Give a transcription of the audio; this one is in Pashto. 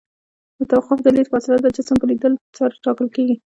د توقف د لید فاصله د جسم په لیدلو سره ټاکل کیږي